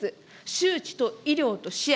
周知と医療と支援。